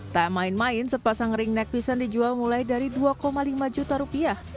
tak main main sepasang ring neck pisan dijual mulai dari dua lima juta rupiah